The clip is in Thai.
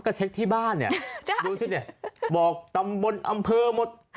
ก็เช็คที่บ้านเนี่ยดูสิเนี่ยบอกตำบลอำเภอหมด